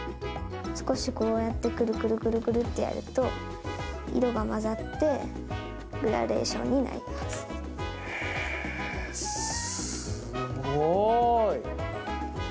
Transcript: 少しこうやって、くるくるくるくるってやると、色が混ざって、グラデーションにへー、すごーい！